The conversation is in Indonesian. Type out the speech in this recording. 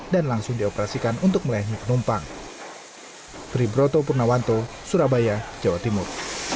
dan langsung dioperasikan untuk melayani penumpang